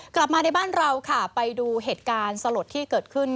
กลับมาในบ้านเราค่ะไปดูเหตุการณ์สลดที่เกิดขึ้น